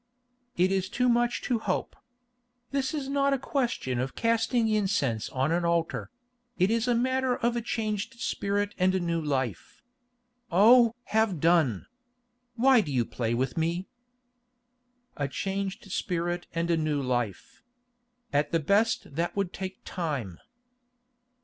"It is too much to hope. This is not a question of casting incense on an altar; it is a matter of a changed spirit and a new life. Oh! have done. Why do you play with me?" "A changed spirit and a new life. At the best that would take time."